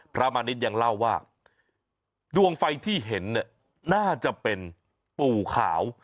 มาณิชย์ยังเล่าว่าดวงไฟที่เห็นเนี่ยน่าจะเป็นปู่ขาว